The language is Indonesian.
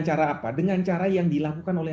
cara apa dengan cara yang dilakukan oleh